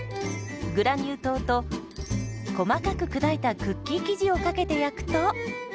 グラニュー糖と細かく砕いたクッキー生地をかけて焼くと。